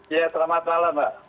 ya selamat malam mbak